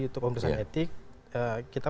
untuk pembesaran etik kita